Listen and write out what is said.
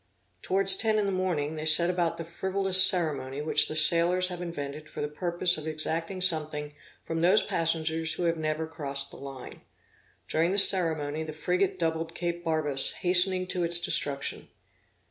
Towards ten in the morning, they set about the frivolous ceremony which the sailors have invented for the purpose of exacting something from those passengers who have never crossed the line. During the ceremony, the frigate doubled Cape Barbas hastening to its destruction.